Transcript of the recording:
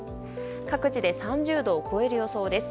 各地で３０度を超える予想です。